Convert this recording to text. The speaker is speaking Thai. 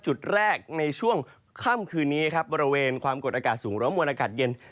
จุดแรกในช่วงค่ำคืนนี้ครับบริเวณความกดอากาศสูงหรือว่ามวลอากาศเย็น